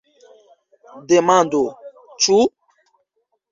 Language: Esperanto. Demando: Ĉu?